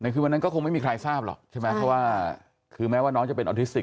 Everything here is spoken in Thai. คือวันนั้นก็คงไม่มีใครทราบหรอกใช่ไหมเพราะว่าคือแม้ว่าน้องจะเป็นออทิสติก